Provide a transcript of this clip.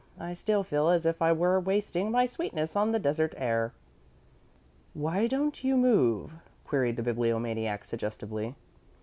I still feel as if I were wasting my sweetness on the desert air." "Why don't you move?" queried the Bibliomaniac, suggestively.